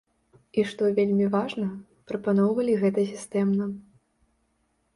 І што вельмі важна, прапаноўвалі гэта сістэмна.